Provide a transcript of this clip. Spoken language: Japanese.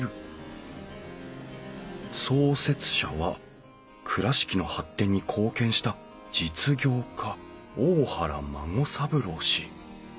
創設者は倉敷の発展に貢献した実業家大原孫三郎氏」